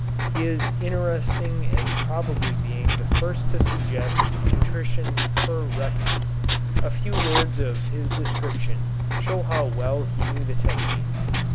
He is interesting as probably being the first to suggest nutrition per rectum. A few words of his description show how well he knew the technique.